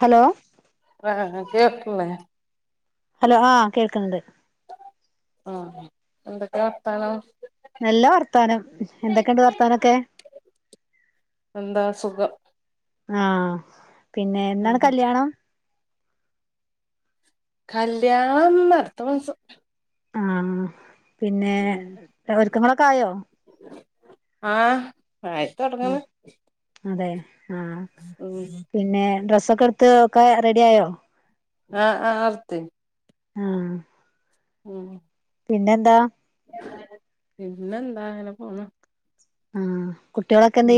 Hello ആ കേക്ക്ല്ലേ? Hello ആ കേൾക്ക്ണ് ണ്ട് ആ എന്തൊക്കെ വർത്താനം നല്ല വർത്താനം എന്തൊക്കെണ്ട് വർത്താനോക്കെ എന്താ സുഖം ആ പിന്നെ ന്നാണ് ഉം കല്ല്യാണം കല്ല്യാണം അട്ത്തമാസം ആഹ പിന്നെ ഒര്ക്കങ്ങളൊക്കെ ആയോ ആഹ ആയി ഉം തൊടങ്ങണ് അതെ ഹ ഉം പിന്നെ ഡ്രസ്സൊക്കെഇട്ത്ത് ഒക്കെ റെഡിആയോ ആഹ് ആ് ഇട്ത്ത് ആ ഉം.. പിന്നെന്താ പിന്നെന്താ അങ്ങനെന പോണൂ ആ ഉം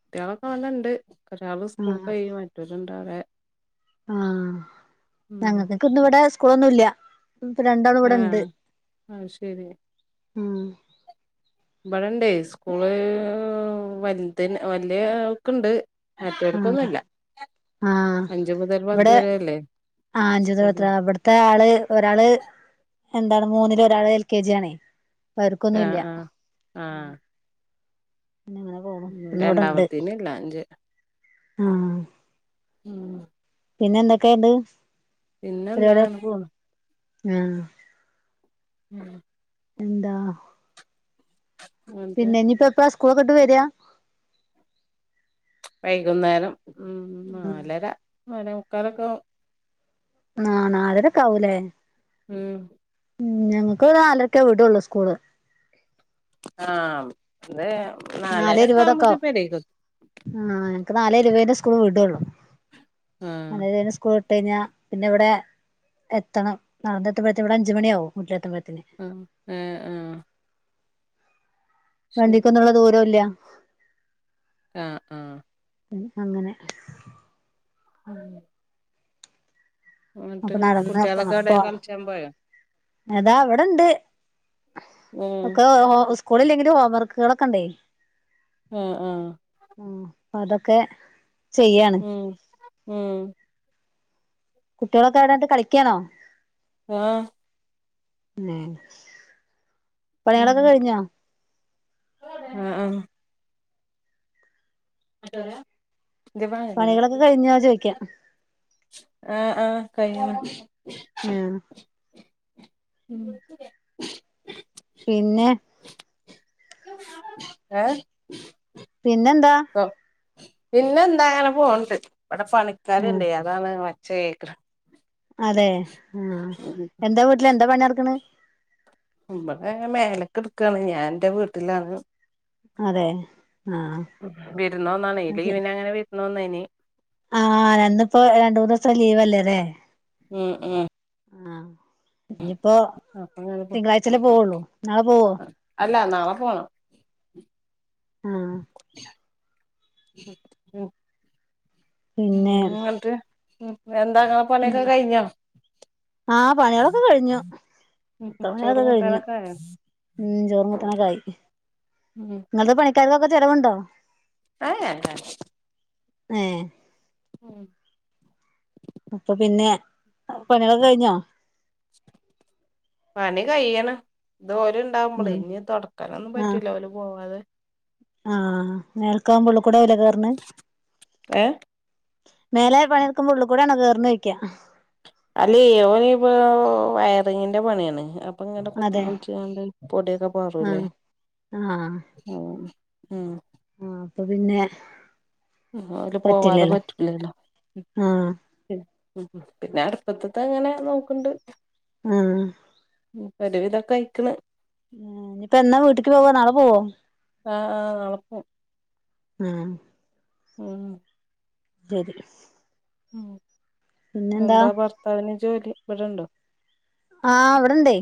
കുട്ട്യാളൊക്കെ വന്ന്ണ്ട് ഒരാള് സ്കൂൾക്കോയിന് മറ്റോര്ണ്ട് അവടെ ആ ഉം ഞങ്ങക്ക്ക്കോ ഇന്ന് ഇവ്ടെ സ്കൂളൊന്നുംല്ല ഇപ്പൊ രണ്ടാളും ഇവടെ ണ്ട് ആഹ് അത് ശരി ഉം ഇബടണ്ടേ സ്കൂള് വൽതിന് വല്ല്യേ ആൾക്ക്ണ്ട് മറ്റോർക്കൊന്നുല്ല ആ അഞ്ച് മുതൽ പത്ത് ഇവടെ വരെയല്ലേ ആ സ്കൂള് [unintelligible] അവ്ട് ത്തെ ആള് ഒരാള് എന്താണ് മൂന്നില് ഒരാള് എൽ കെ ജി ആണേ പർക്കൊന്നുംഇല്ല ആഹ് ആഹ് ആഹ് ഉം രണ്ടാമത്തേന് ഇല്ല അഞ്ച് ഹ... ഉം പിന്നെ എന്തൊക്കെണ്ട് പിന്നെ എന്താ അങ്ങനെപോണ് ആ ഉം. എന്താണോ എന്നിട്ട് പിന്നെ ഇഞ്പ്പോ എപ്പാളാ സ്കൂളൊക്കെട്ട് വെരാ വൈകുന്നേരം ഉം നാലര നാലേമുക്കാലോക്കെ ആവും നാ നാലര ഒക്കേ ആവൂലേ ഉം ഉം ഞങ്ങക്ക് ഒരു നാലരക്കേ വീടോള്ളൂ സ്കൂള് ആ ത് നാലര ഒക്കെ ആവുമ്പോത്തി പേരേക്ക് എത്തു ആ ഞങ്ങക്ക് നാലേ ഇര് വേയ്നേ സ്കൂള് വിടോള്ളൂ ആഹ് നാലേര് സ്കൂള് ഇട്ട് അയ്ഞ്ഞാ പിന്നെ ഇവിടെ എത്തണം നടന്നെത്ത്മ്പഴ്തേന് ഇവിടെ അഞ്ച്മണിയാവും മുറ്റത്തുമ്പഴ്ത്തെന്. ഉം, ഉം ശരി വണ്ടിക്കൊന്നുള്ള ദൂരോല്ല. ആഹ്, ആഹ് അങ്ങനെ. ആ. അപ്പൊ നടന്ന് പോണ, കുട്ടികളൊക്കെ എവിടെ പോണ കളിച്ചാൻ പോയോ ഏതാ അവിടെണ്ട്. ഉം ഒക്കെ സ്കൂളില്ലെങ്കിലും ഹോം വർക്കുകളൊക്കെണ്ടേ. ആഹ്, ആഹ്. ഉം അപ്പൊ അതൊക്കെ ചെയ്യണം. ഉം, ഉം. കുട്ട്യോളൊക്കെ എവിടെണ്ട് കളിക്കണോ? ആ. ഉം. ഉം ആഹ്, ആഹ്. മറ്റോര. പണികളൊക്കെ കഴിഞ്ഞാ ചോദിക്കാം. ആഹ്, ആഹ് കഴിഞ്ഞ്. ഉം. ഉം. പിന്നെ. ഏ. പിന്നെന്താ. പിന്നെ ന്താങ്ങനെ പോണ്ട് ഇവിടെ ഉം പണിക്കാരുണ്ട് അതാണ് ഒച്ച കേക്കണ. അതെ ആഹ് എന്താ വീട്ടില് എന്താ പണി നടക്കണ്? വ്ടേ മേലൊക്കെ എടുക്കണ് ഞാൻ എന്റെ വീട്ടിലാണ്. അതെ ആഹ് വിരുന്ന് വന്നാണ് അത് ലീവിനെ അങ്ങനെ വിരുന്ന് വന്നെനി. ആഹ് ഇന്നിപ്പോ രണ്ടൂന്നിസം ലീവല്ലേ. ഉം, ഉം. ആഹ് ഇനിയിപ്പോ അപ്പൊ അങ്ങനെ പോ തിങ്കളാഴ്ചല്ലേ പോവുള്ളൂ നാളെ പോവോ. അല്ല നാള പോണം. ആഹ് പിന്നെ ഉം എന്നിട്ട് എന്താങ്ങളെ ഉം പണിയൊക്കെ കഴിഞ്ഞോ? ആഹ് പണിയളൊക്കെ കഴിഞ്ഞു. പണിയൊക്കെ ചോറും കഴിഞ്ഞു കൂട്ടാനൊക്കെ ആയോ ഉം ചോറും കൂട്ടാനൊക്കായി. ഉം ഇങ്ങക്ക് പണിക്കാർക്കൊക്കെ ചെലവുണ്ടോ? ആഹ് ഏ. ഉം അപ്പൊ പിന്നെ പണിളൊക്കെ കഴിഞ്ഞോ? പണി കയ്യണ് ഇത് ഓല് ണ്ടാവുമ്പളെ ഉം ഇനി തുടക്കാനൊന്നും ആഹ് പറ്റൂല ഓല് പോവാതെ. ആഹ് മേൽക്കാവുമ്പോ ഉള്ളിക്കൂടാവും ലെ കേർന്നെ. ഏ മേല പണിട്ക്കുമ്പോ ഉള്ളികൂടെ ആണോ കെർണെയിക്ക. അല്ലെ ഓല് ഇപ്പൊ വയറിങ്ങിന്റെ പണിയാണ്. അപ്പൊ ഇങ്ങനെ കൊത്തി അതെ പൊളിച്ച് ങ്ങാണ്ട് പൊടിയൊക്കെ പാറൂല്ലേ. ആഹ് ഉം, ഉം ആഹ അപ്പൊ പിന്നെ ഓല് പോവാതെ പറ്റില്ലല്ലോ പറ്റൂലല്ലോ ആഹ് ഉ പിന്നെ അടുപ്പത്തത്തെ ങ്ങനെ നോക്ണ്ട് അഹ ഒരുവിതൊക്കെ അയ്ക്ക്ണ് ഇപ്പാ ന്നാ വീട്ടക്ക് പോവാ നാളെ പോവോ ആഹ് ആഹ് നാളെ പോവും ആഹ ഉം ശരി പിന്നെന്താ എന്താ ഭർത്താവിന് ജോലി ഇവിടെണ്ടോ ആഹ് ഇവിടെണ്ടേ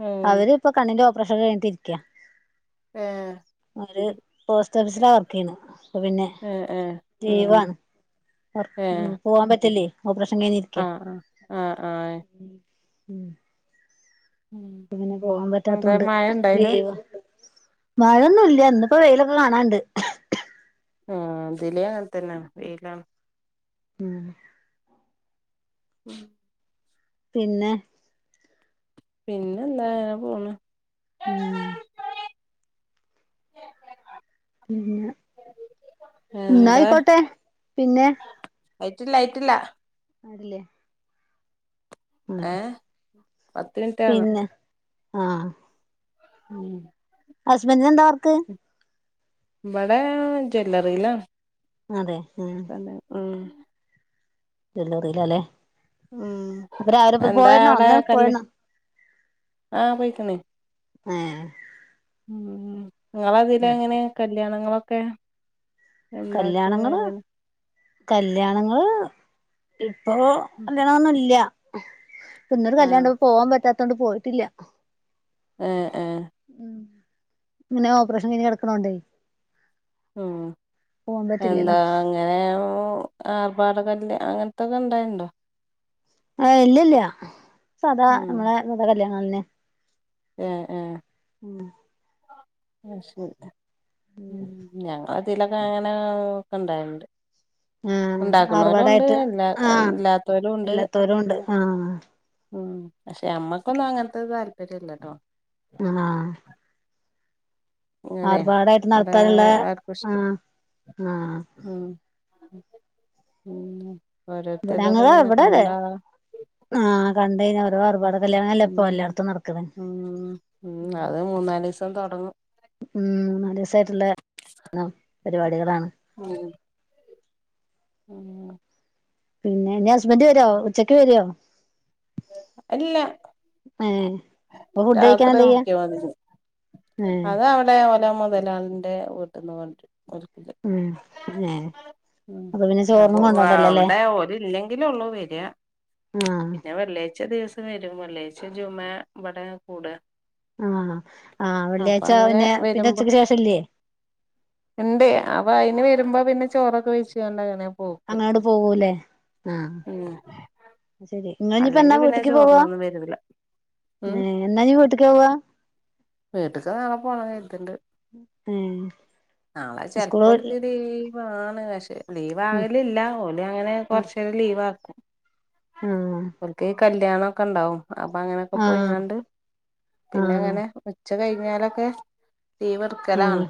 ഉം അവര്പ്പ കണ്ണിന്റെ ഓപ്പറേഷൻ കഴിഞ്ഞിട്ടരിക്ക ഏഹ് അവര് പോസ്റ്റ് ഓഫീസിലാ വർക്ക് ചെയ്യണ അപ്പോ പിന്നെ ഏഹ് ഏഹ് ഉം ലീവാണ് ഏഹ് ഉം പോവാൻ പറ്റില്ലേ ഓപറേഷൻ കഴിഞ്ഞി ആഹ് ആഹ് ആഹ് ഉം പിന്നെ പോകാൻ എന്താ പറ്റാത്തോണ്ട് മഴ ഇണ്ടായിലെ ലീവാ മഴൊന്നുല്ല ഇന്നിപ്പോ വെയിലൊക്കെ കാണാണ്ട് ആഹ് ഇതിലെ അങ്ങൻതന്നെയ വെയിലാണ് ഉം [unintelligible] പിന്നെ പിന്നെ എന്താ അങ്ങനെ പോണ് ഉം എന്താ ന്നയിക്കോട്ടെ പിന്നെ അയിറ്റില്ല അയിറ്റില്ല അല്ലേ ഏഹ് പിന്നെ ആഹ് ഉം ഹസ്ബൻഡിന് എന്താ വർക്ക് ഇവടെ ജ്വല്ലറിലാണ്. അതെ ഉം തന്നെ ഉം ജ്വല്ലറിലാല്ലേ ഉം അപ്പോ രാവിലെ പ്പോ എന്താ പോയിണോ ഇന്ന് പോയിണോ ആഹ് പെയ്ക്കുണ് ഏഹ് ഉം ഇങ്ങളതിലെങ്ങനെ കല്യാണങ്ങളൊക്കെ ഉണ്ടാക്കണ കല്യാണങ്ങള് എങ്ങനെ കല്യാണങ്ങള് ഇപ്പൊ കല്യാണന്നുല്ല ഇന്നൊരു ആ കല്യാണണ്ടായിന്ന് പോവാൻ പറ്റാ റ്റത്തോണ്ട് പോയിട്ടില്ല. ഏഹ് ഏഹ് ഉം ഇങ്ങനെ ഓപ്പറേഷൻ കഴിഞ്ഞ് കിടക്കണോണ്ടേ ഉം പോവാൻ പറ്റില്ലല്ലോ എന്താ അങ്ങനെകു [unintelligible] മ്പോ ആർപാട കല്ല് അങ്ങനത്തൊക്കെ ഇണ്ടായിണ്ട് ആഹ് ഇല്ല ഇല്ല സദാ ഉം നമ്മളെ ഇങ്ങനത്തെ കല്യാണം തന്നെ ഏഹ് ഏഹ് ഉം ശരി ഞങ്ങളതിലൊക്കെ അങ്ങനെ ഒക്കെ ഇണ്ടായിണ്ട് ആഹ് അറിവുകേടയിട്ട് ഇല്ലാ ആഹ് ഇല്ലാത്തോലും ഉണ്ട് ഇല്ലാത്തോരുണ്ട് ആഹ് ഉം പക്ഷെ അമ്മക്കൊന്നും അങ്ങനത്തെ താല്പര്യല്ലട്ടോ ആഹ് ഇങ്ങനെ ആർബാടായിട്ട് ഇവിടെ നടത്താനുള്ളെ ആർക്കും ഇഷ്ടം ആഹ് ആഹ് ഉം ഉം ഇവിടെ ഓരോത്തരുടെ ഞങ്ങള് അങ്ങനെ ഇവിടെ അതെ കണ്ടാ ആഹ് കണ്ടയ്ന്നെ ഓരോ ആർഭാടെ കല്യാണങ്ങളല്ലേ ഉം ഇപ്പൊ എല്ലാടത്തും നടക്കുന്നേ ഉം ഉം അത് മൂന്നാലിസം തൊടങ്ങും ഉം മൂന്നാലിസായിട്ടുള്ള പരിപാടികളാണ്. ഉം ഉം പിന്നെ നിന്റെ ഹസ്ബൻഡ് വരോ ഉച്ചക്ക് വരോ ഇല്ല [unintelligible] ഫുഡ് കഴിക്കാൻ രാത്രി എന്താ ചെയ്യാ നോക്കിയാ മതി ഇനി ഏഹ് അത് അവിടെ ഓലെ മൊതലാളി എന്റെ വീട്ടിന്ന് കൊണ്ടു വരും ഓൽക്ക് ഉം ഏഹ് ഉം അപ്പൊ പിന്നെ അപ്പൊ ചോറൊന്നും ആഹ് കൊണ്ടോണ്ടല്ലോ അല്ലേ അവിടെ ഓല് ഇല്ലെങ്കിലൊള്ളൂ വരിക ആഹ് പിന്നെ വെള്ളിയാഴ്ച്ച ദിവസം വരും വെള്ളിയാഴ്ച ജുമാ ഇവിടെ കൂടാ ആഹ് ആഹ് അപ്പൊ വെള്ളിയാഴ്ച അങ്ങനെ പിന്നെ പിന്നെ ഉച്ചയ്ക്ക് ശേഷം ഇല്ലിയെ ഇണ്ട് അപ്പൊ അതിന് വരുമ്പോ പിന്നെ ചോറൊക്കെ വെച്ച്കൊണ്ട് അങ്ങനെ പോക്ക് അങ്ങാട് പോവൂല്ലേ ആഹ് ഉം ശരി ഇങ്ങളിനിപ്പോ എന്നാ അല്ലെങ്കി പിന്നെ വീട്ടിക്ക് പോവാ ചോറിനൊന്നും വരൂല ഉം ഏഹ് എന്നാ ഇനി വീട്ട്ക്ക് പോവാ വീട്ട്ക്ക് നാളെ പോണം കരുതുന്നുണ്ട് ഏ നാളെ സ്കൂള് ചെലപ്പോ ഓൽക്ക് ലീവാണ് പക്ഷെ ലീവ് ആകലില്ല ഓലങ്ങനെ കൊറച്ച് നെരം ലീവാക്കും. ഉം [unintelligible] ഓൽക്ക് ഈ കല്യാണക്കെണ്ടാവും അപ്പൊ അങ്ങനൊക്കെ ആഹ് പോയിങ്ങാണ്ട് പിന്നെ ആഹ് അങ്ങനെ- ഉച്ച കഴിഞ്ഞാലൊക്കെ ആഹ് ലീവെടുക്കലാണ്.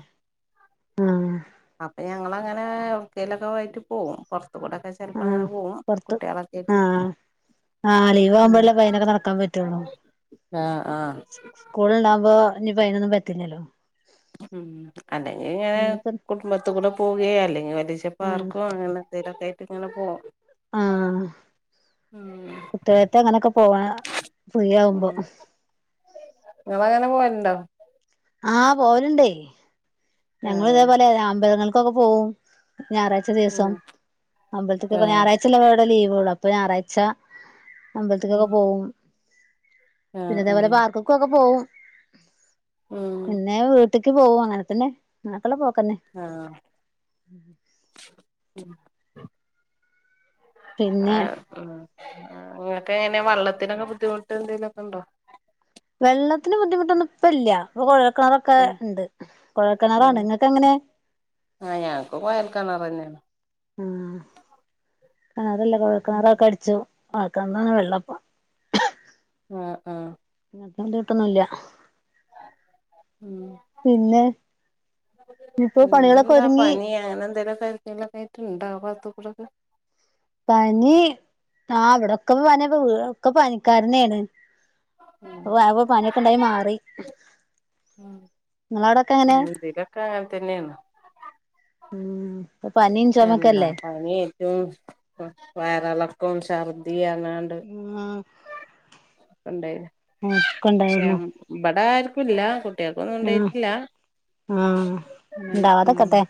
ആഹ് അപ്പൊ ഞങ്ങള് അങ്ങനെ എവ്‌ട്ക്കേലൊക്കെ വഴിക്ക്‌ പോകും പൊറത്തുകൂടൊക്കെ ചെലപ്പോ ആഹ് അങ്ങനെ പോവും പുറത്ത് കുട്ടികളൊക്കെയായിട്ട് ആഹ് ആഹ് ലീവ് ആവുമ്പോഴല്ലേ വൈകുന്നേരം നടക്കാൻ പറ്റുള്ളൂ ആഹ് ആഹ് സ്കൂള്ണ്ടാവുമ്പോ ഇനി ഇപ്പൊ അതിനൊന്നിനും പറ്റില്ലല്ലോ അല്ലെങ്കിൽ ഇങ്ങനെ ഇന്നിപ്പം കുടുംബത്തി കൂടെ പോവുകയോ അല്ലെങ്കിൽ വലി [unintelligible] ച്ചപ്പ ആർക്കും അങ്ങനെ- എന്തേലും ഒക്കെ ആയിട്ട് ഇങ്ങനെ പോകും ആഹ്‌ കുട്ടി [unintelligible] കത്തെ അങ്ങനെൊക്കെ പോവാ ഫ്രീ ആകുമ്പോ നിങ്ങള് അങ്ങനെ പോവലുണ്ടോ ആഹ് പോലുണ്ടേ ഞങ്ങള് ആഹ് ഇതേപോലെ അമ്പലങ്ങൾക്കൊക്കെ പോവും ഞായറാഴ്ച കൊറച്ചു ഉം ദിവസം അമ്പൽത്തേക് ആഹ് ഞായറാഴ്ച അല്ലേ ഇവിടെ ലീവ് ഒള്ളെ അപ്പൊ ഞായറാഴ്ച ഉം അമ്പലത്തേക്കൊക്കെ പോവും ആഹ് പിന്നെ ഇതേപോലെ ആഹ് പാർക്ക് ഒക്കെ - ക്കൊക്കെ പോവും ഉം പിന്നെ വീട്ടിക്ക് പോവും അങ്ങനെത്തന്നെ അങ്ങനക്കുള്ള പോക്ക്‌ തന്നെ ആഹ്‌ പിന്നെ ആഹ്‌ ഉം അങ്ങനെക്കെ അങ്ങനെ വെള്ളത്തിനൊക്കെ ബുദ്ധിമുട്ട് എന്തെങ്കലുമൊക്കെ ഉണ്ടോ വെള്ളത്തിന് ബുദ്ധിമുട്ടൊന്നും ഇപ്പ ഇല്ല ഇപ്പോ കുഴൽ കിണർ ഒക്കെ ആഹ് ഉണ്ട് കൊഴൽക്കിണറാണ് ഇങ്ങക്ക് എങ്ങനെ ആഹ് ഞങ്ങക്ക് കൊഴൽ ക്കിണറന്നെയാണ് ആ കിണറല്ല കൊഴൽ കിണറൊക്കെ അടിച്ചു [unintelligible] വെള്ളപ്പൊ ആഹ്‌ ആഹ്‌ [unintelligible] കീട്ടൊന്നുംല്ല ഉം പിന്നെ ഇനി ഇപ്പോ പണികളൊക്കെ ഒതുങ്ങി അങ്ങനെന്തങ്കിലും എന്തെങ്കിലും ആയിണ്ടാവാത്തകൂറവ് പനി ആഹ്‌ ഇവിടെക്കെ പനിയ ഒക്കെ പനിക്കാരനെയാണ് ഉം അപ്പ ആ പനിയൊക്കെ ഉണ്ടായി മാറി നിങ്ങളവിടെ ഉം ഇതിലൊക്കെ അങ്ങനെ തന്നെയാണ് ഉം ഇപ്പൊ പനിയും ചൊമക്കല്ലേ ഉം വയറളക്കം ച്ചർദ്ദിയു അങ്ങനെല്ലോ ഉണ്ട് ഉം ഉണ്ടായിനു ഒക്കെ പക്ഷേ ഉണ്ടായിരുന്നു ഇവിട ആർക്കുംല്ല കുട്ടിയക്കൊന്നും ആഹ് ഉണ്ടായിട്ടില്ല ആഹ് ഉം ഉണ്ടാവാതെക്കട്ടെ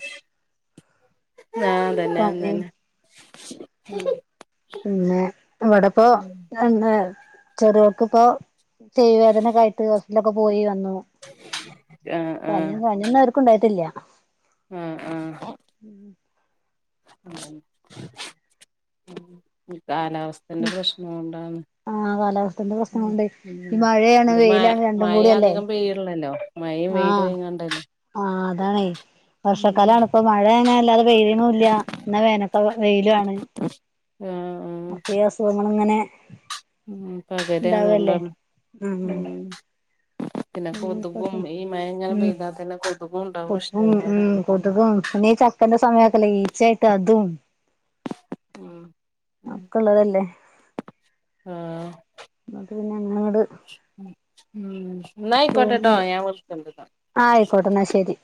ആഹ് അതന്നെ പനി അതന്നെ പിന്നെ ഇവിടെപ്പൊ ഉം ഇന്ന് ചെറിയോൾക്കിപ്പോ ചെവി വേദനക്കായിട്ട് ഹോസ്പിറ്റലൊക്കെ പോയി വന്നു. ആഹ് പനി ആഹ് പനിയൊന്നും ആർക്കും ഉണ്ടായിട്ടില്ല ആഹ് ആഹ് [inaudible] കാലാവസ്ഥന്റെ പ്രശ്നം കൊണ്ടാന്ന് ആഹ് കാലാവസ്ഥന്റെ പ്രശ്നം കൊണ്ട് ഈ മഴയാണ് ഇത് മ വെയിലാണ് രണ്ടും മഴ കൂടിയല്ലേ അധികം പെയ്ല്ലല്ലോ മഴയും പെയ്ത ഇങ്ങണ്ടല്ലേ ആഹ്‌ അതാണ് വർഷക്കാലാണ് ഇപ്പൊ മഴ അങ്ങനെ വല്ലാതെ പെയ്യ്ണതും ഇല്ല എന്ന വേനൊക്ക വെയിലു ആണ് ഉം അപ്പൊ ഈ അസുഖങ്ങള് ഇങ്ങനെ ഉം പകര് ഉണ്ടാവല്ലേ അതുകൊണ്ടാണ് ഉം പിന്നെ കൊതുകും ഈ മയങ്ങനെ ഉം പെയ്താത്തന്നെ കൊതുകും ഉണ്ടാവും കൊതുകും ഉം ഇഷ്ടംപോലെ കൊതുകും പിന്നീ ചക്കന്റെ സമയൊക്കല്ല ഈച്ചായിട്ട് അതും ഉം ഒക്കള്ളതല്ലേ ആഹ് എന്നിട്ട് പിന്നെ അങ്ങട് ഉം എന്നാ ആയിക്കോട്ടട്ടോ പോന്നില്ല ഞാൻ വെക്ക്ണ്ട് ആഹ് ആയിക്കോട്ടെ എന്നാ ശരി